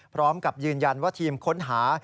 พร้อมกับยืนยันว่าทีมค้นหา